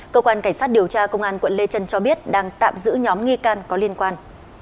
cơ quan cảnh sát điều tra công an quận lê trân cho biết đang tạm giữ nhóm nghi can có liên quan